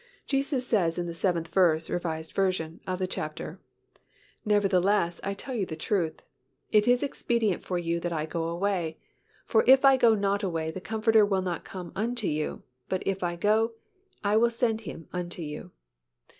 Jesus says in the seventh verse, R. V., of the chapter, "Nevertheless I tell you the truth; It is expedient for you that I go away: for if I go not away, the Comforter will not come unto you; but if I go, I will send Him unto you."